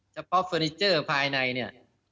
เฉพาะฟอร์นิเจอร์ภายในนี่